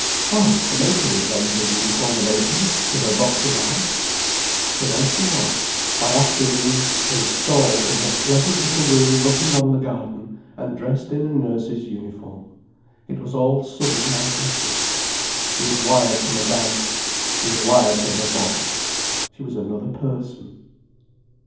Oh, the matron would lend her uniform and aprons, till her box arrived. So there she was—by afternoon installed in her pleasant little room looking on the garden, and dressed in a nurse's uniform. It was all sudden like magic. She had wired to Madame, she had wired for her box. She was another person.